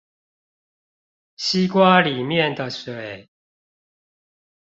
西瓜裡面的水